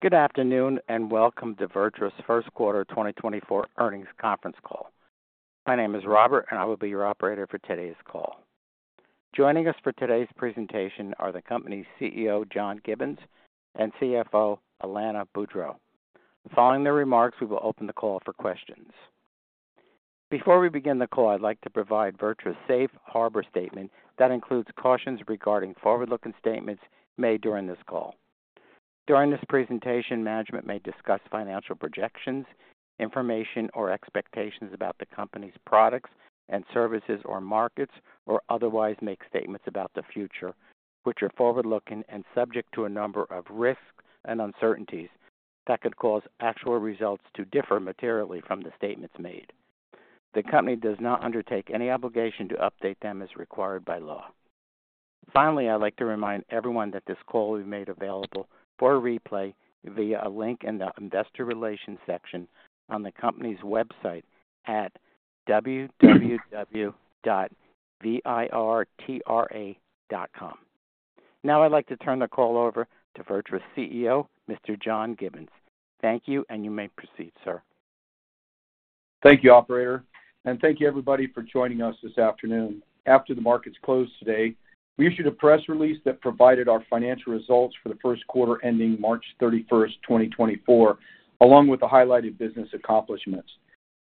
Good afternoon and welcome to VirTra's first quarter 2024 earnings conference call. My name is Robert and I will be your operator for today's call. Joining us for today's presentation are the company's CEO John Givens and CFO Alanna Boudreau. Following their remarks, we will open the call for questions. Before we begin the call, I'd like to provide VirTra's safe harbor statement that includes cautions regarding forward-looking statements made during this call. During this presentation, management may discuss financial projections, information or expectations about the company's products and services or markets, or otherwise make statements about the future, which are forward-looking and subject to a number of risks and uncertainties that could cause actual results to differ materially from the statements made. The company does not undertake any obligation to update them as required by law. Finally, I'd like to remind everyone that this call will be made available for replay via a link in the investor relations section on the company's website at www.virtra.com. Now I'd like to turn the call over to VirTra's CEO, Mr. John Givens. Thank you and you may proceed, sir. Thank you, operator, and thank you everybody for joining us this afternoon. After the markets closed today, we issued a press release that provided our financial results for the first quarter ending March 31st, 2024, along with the highlighted business accomplishments.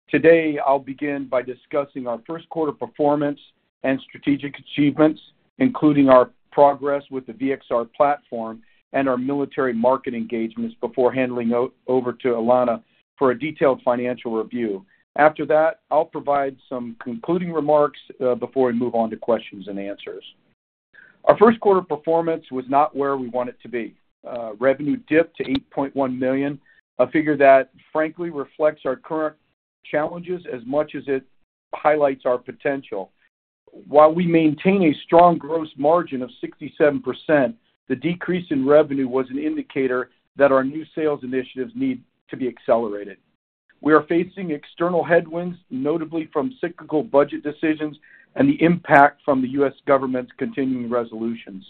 Today I'll begin by discussing our first quarter performance and strategic achievements, including our progress with the V-XR platform and our military market engagements before handing over to Alanna for a detailed financial review. After that, I'll provide some concluding remarks before we move on to questions and answers. Our first quarter performance was not where we want it to be. Revenue dipped to $8.1 million, a figure that frankly reflects our current challenges as much as it highlights our potential. While we maintain a strong gross margin of 67%, the decrease in revenue was an indicator that our new sales initiatives need to be accelerated. We are facing external headwinds, notably from cyclical budget decisions and the impact from the U.S. government's continuing resolutions.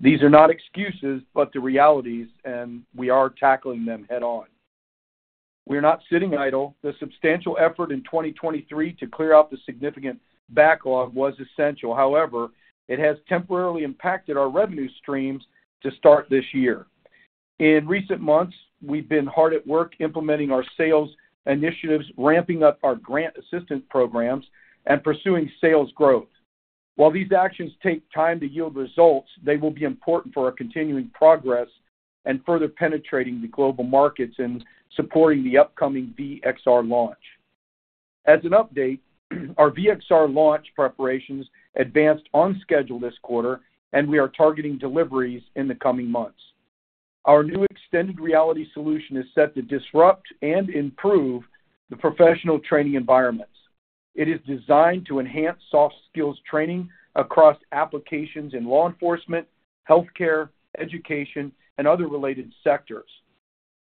These are not excuses but the realities, and we are tackling them head-on. We are not sitting idle. The substantial effort in 2023 to clear out the significant backlog was essential. However, it has temporarily impacted our revenue streams to start this year. In recent months, we've been hard at work implementing our sales initiatives, ramping up our grant assistance programs, and pursuing sales growth. While these actions take time to yield results, they will be important for our continuing progress and further penetrating the global markets and supporting the upcoming V-XR launch. As an update, our V-XR launch preparations advanced on schedule this quarter, and we are targeting deliveries in the coming months. Our new extended reality solution is set to disrupt and improve the professional training environments. It is designed to enhance soft skills training across applications in law enforcement, healthcare, education, and other related sectors.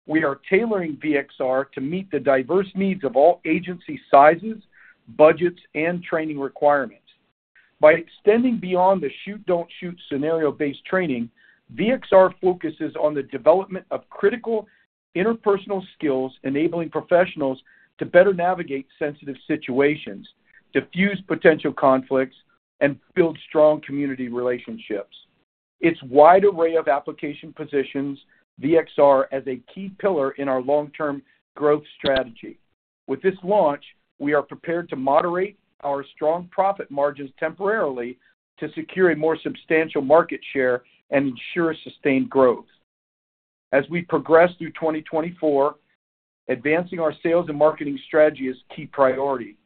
We are tailoring V-XR to meet the diverse needs of all agency sizes, budgets, and training requirements. By extending beyond the shoot-don't-shoot scenario-based training, V-XR focuses on the development of critical interpersonal skills, enabling professionals to better navigate sensitive situations, defuse potential conflicts, and build strong community relationships. Its wide array of application positions V-XR as a key pillar in our long-term growth strategy. With this launch, we are prepared to moderate our strong profit margins temporarily to secure a more substantial market share and ensure sustained growth. As we progress through 2024, advancing our sales and marketing strategy is a key priority.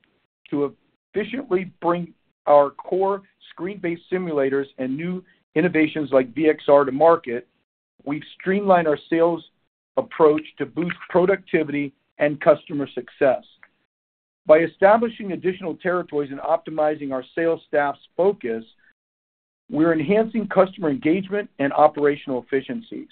To efficiently bring our core screen-based simulators and new innovations like V-XR to market, we've streamlined our sales approach to boost productivity and customer success. By establishing additional territories and optimizing our sales staff's focus, we're enhancing customer engagement and operational efficiencies.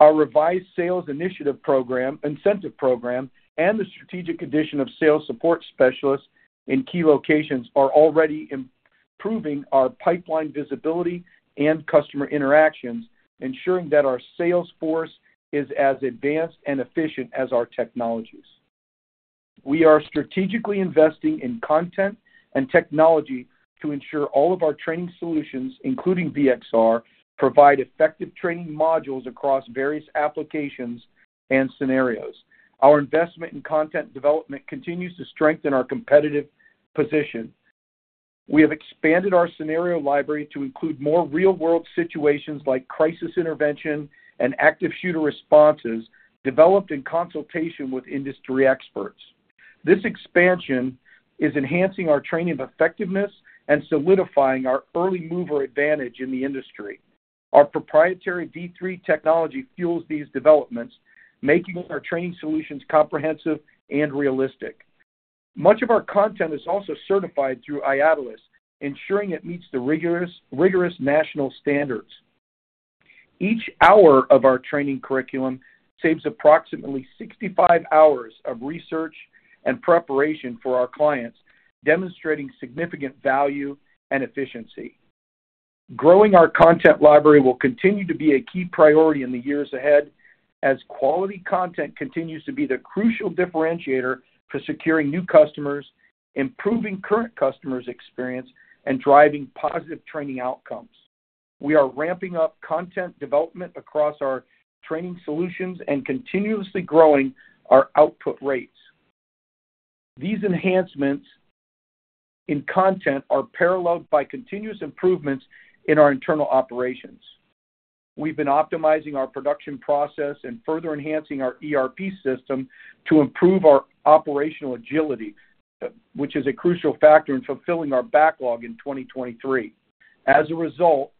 Our revised sales initiative program, incentive program, and the strategic addition of sales support specialists in key locations are already improving our pipeline visibility and customer interactions, ensuring that our sales force is as advanced and efficient as our technologies. We are strategically investing in content and technology to ensure all of our training solutions, including V-XR, provide effective training modules across various applications and scenarios. Our investment in content development continues to strengthen our competitive position. We have expanded our scenario library to include more real-world situations like crisis intervention and active shooter responses developed in consultation with industry experts. This expansion is enhancing our training effectiveness and solidifying our early mover advantage in the industry. Our proprietary 3D technology fuels these developments, making our training solutions comprehensive and realistic. Much of our content is also certified through IADLEST, ensuring it meets the rigorous national standards. Each hour of our training curriculum saves approximately 65 hours of research and preparation for our clients, demonstrating significant value and efficiency. Growing our content library will continue to be a key priority in the years ahead as quality content continues to be the crucial differentiator for securing new customers, improving current customers' experience, and driving positive training outcomes. We are ramping up content development across our training solutions and continuously growing our output rates. These enhancements in content are paralleled by continuous improvements in our internal operations. We've been optimizing our production process and further enhancing our ERP system to improve our operational agility, which is a crucial factor in fulfilling our backlog in 2023. As a result,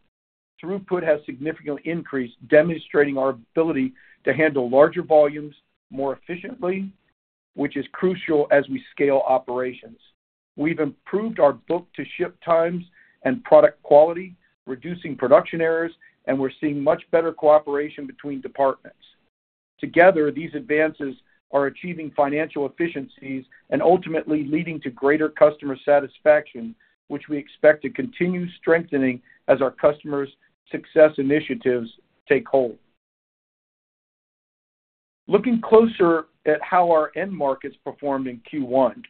throughput has significantly increased, demonstrating our ability to handle larger volumes more efficiently, which is crucial as we scale operations. We've improved our book-to-ship times and product quality, reducing production errors, and we're seeing much better cooperation between departments. Together, these advances are achieving financial efficiencies and ultimately leading to greater customer satisfaction, which we expect to continue strengthening as our customers' success initiatives take hold. Looking closer at how our end markets performed in Q1,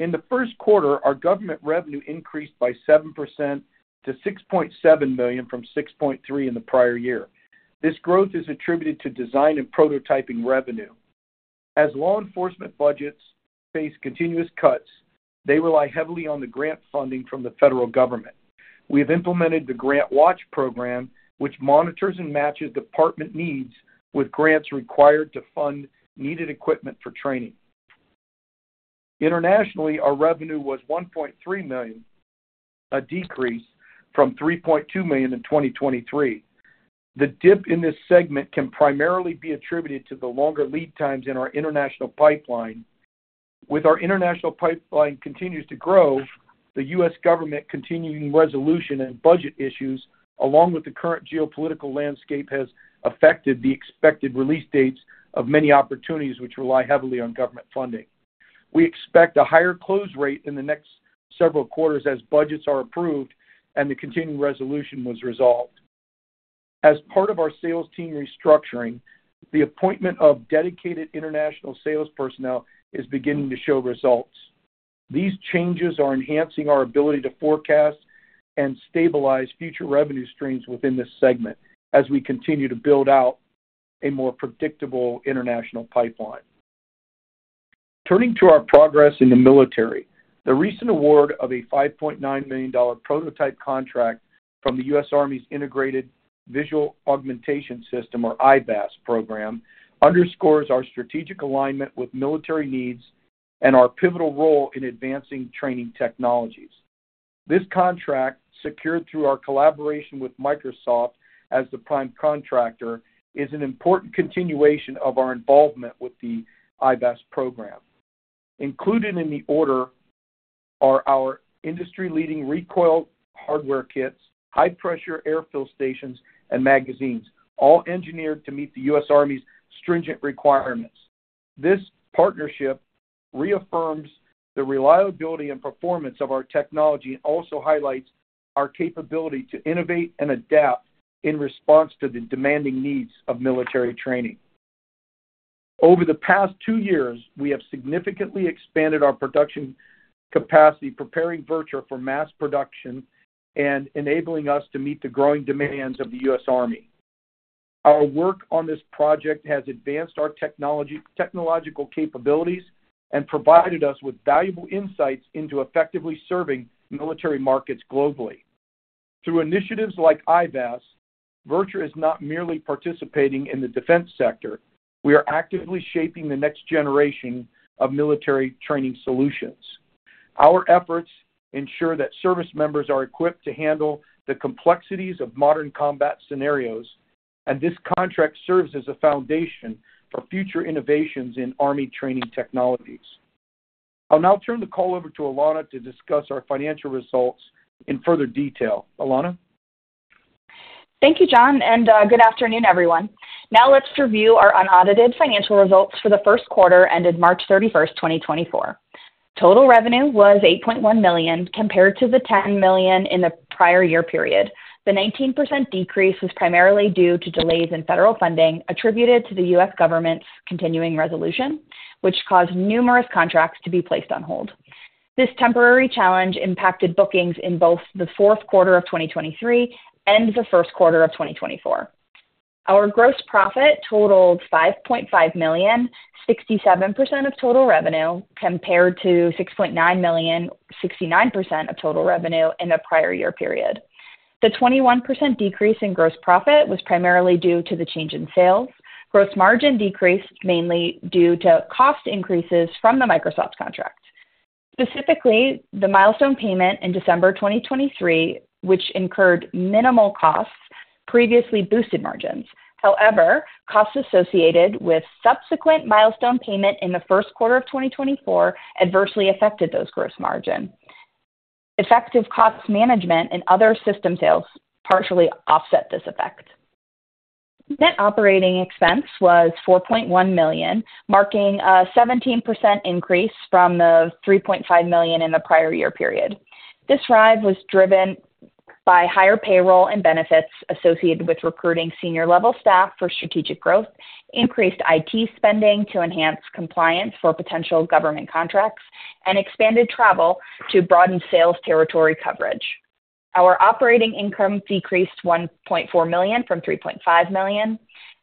in the first quarter, our government revenue increased by 7% to $6.7 million from $6.3 million in the prior year. This growth is attributed to design and prototyping revenue. As law enforcement budgets face continuous cuts, they rely heavily on the grant funding from the federal government. We have implemented the GrantWatch program, which monitors and matches department needs with grants required to fund needed equipment for training. Internationally, our revenue was $1.3 million, a decrease from $3.2 million in 2023. The dip in this segment can primarily be attributed to the longer lead times in our international pipeline. With our international pipeline continuing to grow, the U.S. government's Continuing Resolution and budget issues, along with the current geopolitical landscape, have affected the expected release dates of many opportunities, which rely heavily on government funding. We expect a higher close rate in the next several quarters as budgets are approved and the Continuing Resolution was resolved. As part of our sales team restructuring, the appointment of dedicated international sales personnel is beginning to show results. These changes are enhancing our ability to forecast and stabilize future revenue streams within this segment as we continue to build out a more predictable international pipeline. Turning to our progress in the military, the recent award of a $5.9 million prototype contract from the U.S. Army's Integrated Visual Augmentation System, or IVAS, program underscores our strategic alignment with military needs and our pivotal role in advancing training technologies. This contract, secured through our collaboration with Microsoft as the prime contractor, is an important continuation of our involvement with the IVAS program. Included in the order are our industry-leading recoil hardware kits, high-pressure air-fill stations, and magazines, all engineered to meet the U.S. Army's stringent requirements. This partnership reaffirms the reliability and performance of our technology and also highlights our capability to innovate and adapt in response to the demanding needs of military training. Over the past two years, we have significantly expanded our production capacity, preparing VirTra for mass production and enabling us to meet the growing demands of the U.S. Army. Our work on this project has advanced our technological capabilities and provided us with valuable insights into effectively serving military markets globally. Through initiatives like IVAS, VirTra is not merely participating in the defense sector. We are actively shaping the next generation of military training solutions. Our efforts ensure that service members are equipped to handle the complexities of modern combat scenarios, and this contract serves as a foundation for future innovations in army training technologies. I'll now turn the call over to Alanna to discuss our financial results in further detail. Alanna? Thank you, John, and good afternoon, everyone. Now let's review our unaudited financial results for the first quarter ended March 31st, 2024. Total revenue was $8.1 million compared to the $10 million in the prior year period. The 19% decrease was primarily due to delays in federal funding attributed to the U.S. government's Continuing Resolution, which caused numerous contracts to be placed on hold. This temporary challenge impacted bookings in both the fourth quarter of 2023 and the first quarter of 2024. Our gross profit totaled $5.5 million, 67% of total revenue compared to $6.9 million, 69% of total revenue in the prior year period. The 21% decrease in gross profit was primarily due to the change in sales. Gross margin decreased mainly due to cost increases from the Microsoft contract. Specifically, the milestone payment in December 2023, which incurred minimal costs, previously boosted margins. However, costs associated with subsequent milestone payment in the first quarter of 2024 adversely affected those gross margins. Effective cost management and other system sales partially offset this effect. Net operating expense was $4.1 million, marking a 17% increase from the $3.5 million in the prior year period. This rise was driven by higher payroll and benefits associated with recruiting senior-level staff for strategic growth, increased IT spending to enhance compliance for potential government contracts, and expanded travel to broaden sales territory coverage. Our operating income decreased $1.4 million from $3.5 million.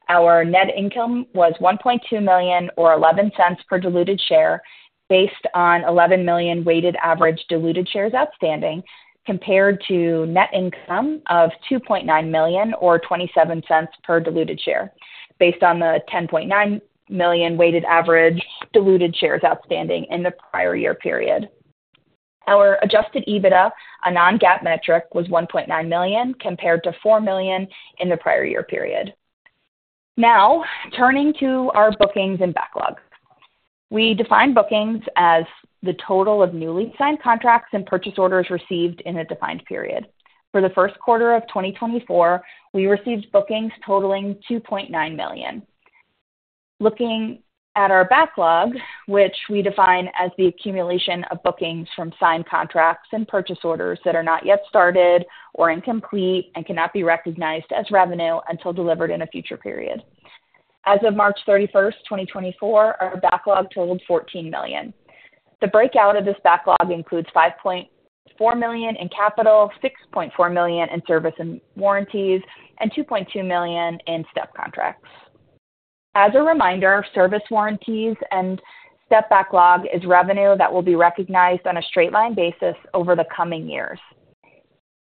Our net income was $1.2 million or $0.11 per diluted share, based on 11 million weighted average diluted shares outstanding compared to net income of $2.9 million or $0.27 per diluted share, based on the 10.9 million weighted average diluted shares outstanding in the prior year period. Our adjusted EBITDA, a non-GAAP metric, was $1.9 million compared to $4 million in the prior year period. Now turning to our bookings and backlog. We define bookings as the total of newly signed contracts and purchase orders received in a defined period. For the first quarter of 2024, we received bookings totaling $2.9 million. Looking at our backlog, which we define as the accumulation of bookings from signed contracts and purchase orders that are not yet started or incomplete and cannot be recognized as revenue until delivered in a future period. As of March 31st, 2024, our backlog totaled $14 million. The breakout of this backlog includes $5.4 million in capital, $6.4 million in service and warranties, and $2.2 million in STEP contracts. As a reminder, service warranties and STEP backlog is revenue that will be recognized on a straight-line basis over the coming years.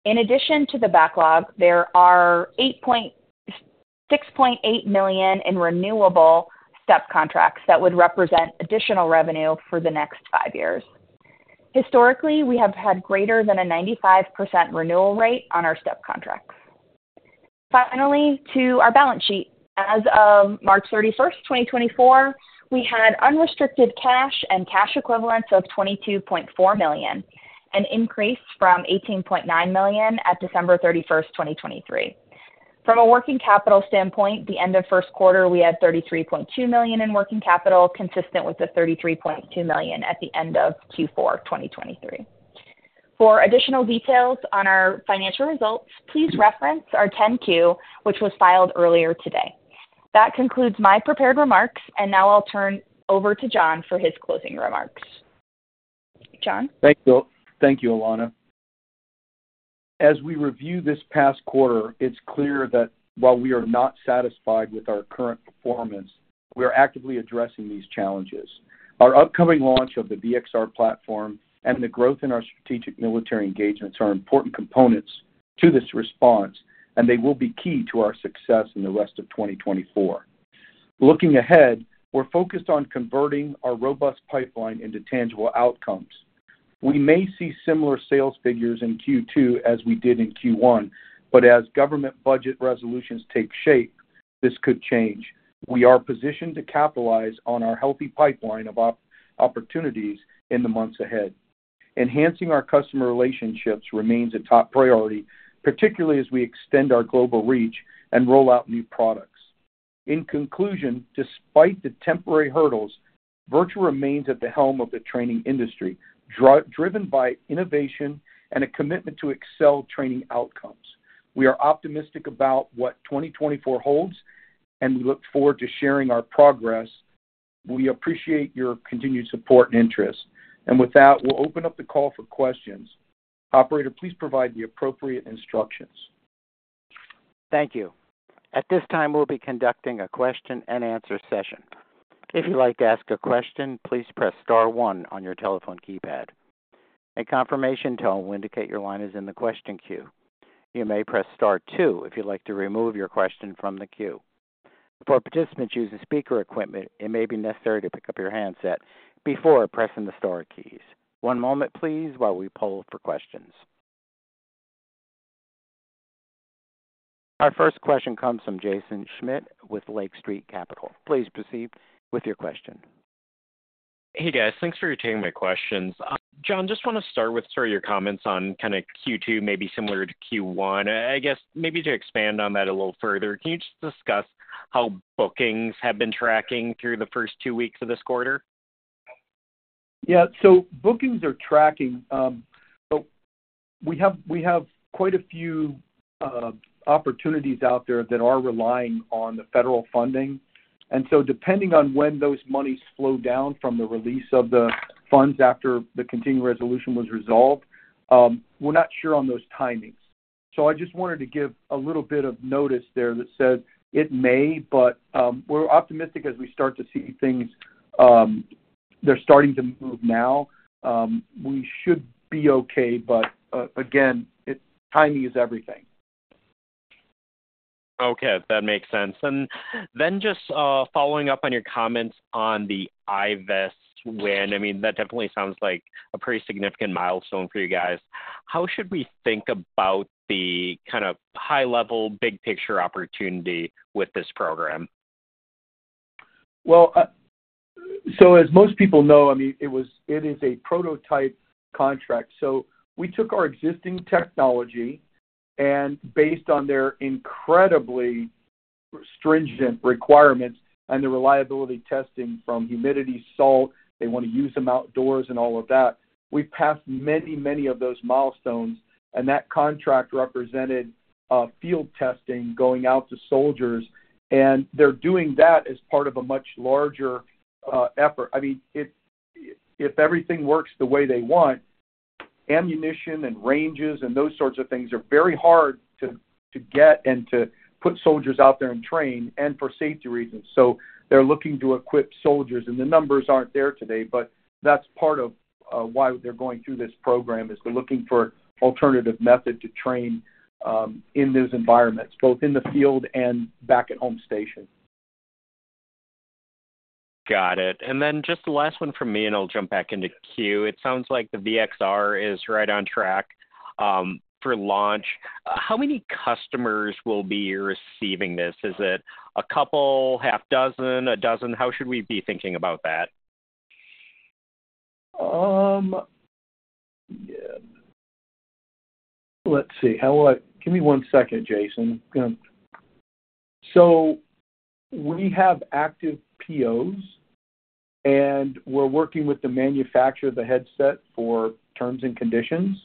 In addition to the backlog, there are $6.8 million in renewable STEP contracts that would represent additional revenue for the next five years. Historically, we have had greater than a 95% renewal rate on our STEP contracts. Finally, to our balance sheet, as of March 31st, 2024, we had unrestricted cash and cash equivalents of $22.4 million, an increase from $18.9 million at December 31st, 2023. From a working capital standpoint, the end of first quarter, we had $33.2 million in working capital, consistent with the $33.2 million at the end of Q4, 2023. For additional details on our financial results, please reference our 10-Q, which was filed earlier today. That concludes my prepared remarks, and now I'll turn over to John for his closing remarks. John? Thank you. Thank you, Alanna. As we review this past quarter, it's clear that while we are not satisfied with our current performance, we are actively addressing these challenges. Our upcoming launch of the V-XR platform and the growth in our strategic military engagements are important components to this response, and they will be key to our success in the rest of 2024. Looking ahead, we're focused on converting our robust pipeline into tangible outcomes. We may see similar sales figures in Q2 as we did in Q1, but as government budget resolutions take shape, this could change. We are positioned to capitalize on our healthy pipeline of opportunities in the months ahead. Enhancing our customer relationships remains a top priority, particularly as we extend our global reach and roll out new products. In conclusion, despite the temporary hurdles, VirTra remains at the helm of the training industry, driven by innovation and a commitment to excel training outcomes. We are optimistic about what 2024 holds, and we look forward to sharing our progress. We appreciate your continued support and interest. And with that, we'll open up the call for questions. Operator, please provide the appropriate instructions. Thank you. At this time, we'll be conducting a question-and-answer session. If you'd like to ask a question, please press star one on your telephone keypad. A confirmation tone will indicate your line is in the question queue. You may press star two if you'd like to remove your question from the queue. Before participants use the speaker equipment, it may be necessary to pick up your handset before pressing the star keys. One moment, please, while we pull for questions. Our first question comes from Jaeson Schmidt with Lake Street Capital. Please proceed with your question. Hey, guys. Thanks for returning my questions. John, just want to start with sort of your comments on kind of Q2, maybe similar to Q1. I guess maybe to expand on that a little further, can you just discuss how bookings have been tracking through the first two weeks of this quarter? Yeah. So bookings are tracking, but we have quite a few opportunities out there that are relying on the federal funding. And so depending on when those monies flow down from the release of the funds after the Continuing Resolution was resolved, we're not sure on those timings. So I just wanted to give a little bit of notice there that says it may, but we're optimistic as we start to see things they're starting to move now. We should be okay, but again, timing is everything. Okay. That makes sense. And then just following up on your comments on the IVAS win, I mean, that definitely sounds like a pretty significant milestone for you guys. How should we think about the kind of high-level, big-picture opportunity with this program? Well, so as most people know, I mean, it is a prototype contract. So we took our existing technology, and based on their incredibly stringent requirements and the reliability testing from humidity, salt, they want to use them outdoors and all of that, we passed many, many of those milestones. And that contract represented field testing going out to soldiers, and they're doing that as part of a much larger effort. I mean, if everything works the way they want, ammunition and ranges and those sorts of things are very hard to get and to put soldiers out there and train and for safety reasons. So they're looking to equip soldiers. And the numbers aren't there today, but that's part of why they're going through this program, is they're looking for alternative methods to train in those environments, both in the field and back at home stations. Got it. And then just the last one from me, and I'll jump back into queue. It sounds like the V-XR is right on track for launch. How many customers will be receiving this? Is it a couple, half dozen, a dozen? How should we be thinking about that? Let's see. Give me one second, Jaeson. So we have active POs, and we're working with the manufacturer of the headset for terms and conditions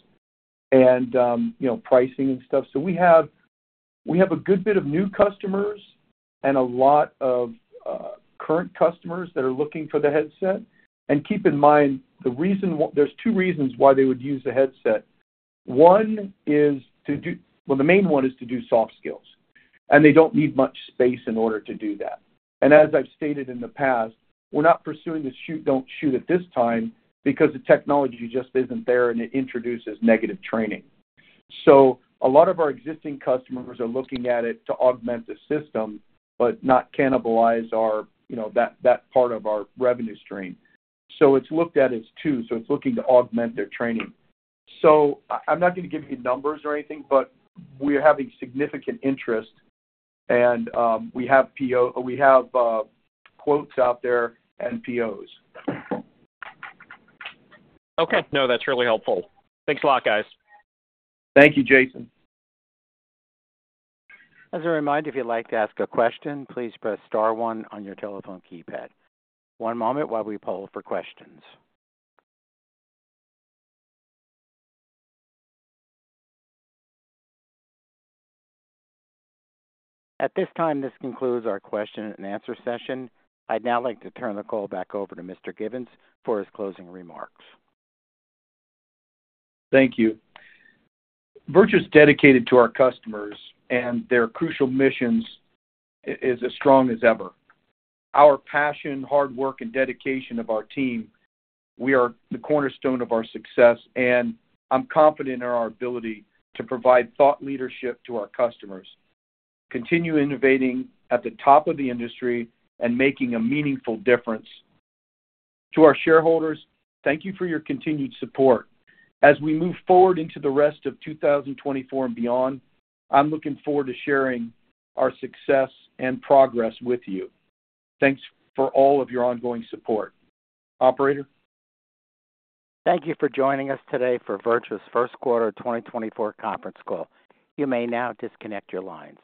and pricing and stuff. So we have a good bit of new customers and a lot of current customers that are looking for the headset. And keep in mind, there's two reasons why they would use the headset. One is to do well, the main one is to do soft skills, and they don't need much space in order to do that. And as I've stated in the past, we're not pursuing this shoot-don't-shoot at this time because the technology just isn't there, and it introduces negative training. So a lot of our existing customers are looking at it to augment the system but not cannibalize that part of our revenue stream. So it's looked at as two. So it's looking to augment their training. I'm not going to give you numbers or anything, but we're having significant interest, and we have quotes out there and POs. Okay. No, that's really helpful. Thanks a lot, guys. Thank you, Jaeson. As a reminder, if you'd like to ask a question, please press star 1 on your telephone keypad. One moment while we pull for questions. At this time, this concludes our question-and-answer session. I'd now like to turn the call back over to Mr. Givens for his closing remarks. Thank you. VirTra's dedicated to our customers, and their crucial mission is as strong as ever. Our passion, hard work, and dedication of our team, we are the cornerstone of our success, and I'm confident in our ability to provide thought leadership to our customers, continue innovating at the top of the industry, and making a meaningful difference. To our shareholders, thank you for your continued support. As we move forward into the rest of 2024 and beyond, I'm looking forward to sharing our success and progress with you. Thanks for all of your ongoing support. Operator? Thank you for joining us today for VirTra's first quarter 2024 conference call. You may now disconnect your lines.